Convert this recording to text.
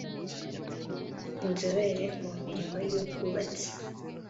inzobere mu mirimo y ubwubatsi